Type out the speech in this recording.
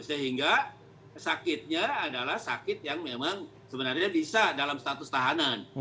sehingga sakitnya adalah sakit yang memang sebenarnya bisa dalam status tahanan